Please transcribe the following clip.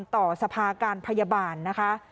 ต่อสภาการพยาบาลนะคะ